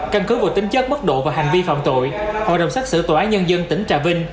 căn cứ vụ tính chất bất độ và hành vi phạm tội hội đồng xét xử tòa án nhân dân tỉnh trà vinh